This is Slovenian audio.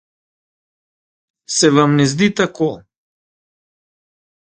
Se vam ne zdi tako?